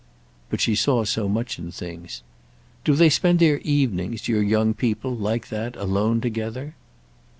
But she saw so much in things. "Do they spend their evenings, your young people, like that, alone together?"